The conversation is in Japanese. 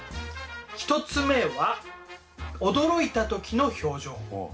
１つ目は驚いた時の表情。